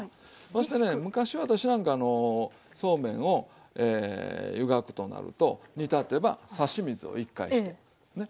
そしてね昔私なんかあのそうめんを湯がくとなると煮立てば差し水を１回してね。